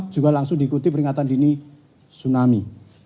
juga langsung diikuti peringatan dini tsunami